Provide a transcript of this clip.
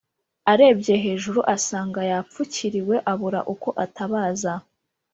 arebye hejuru asanga yapfukiriwe abura uko atabaza.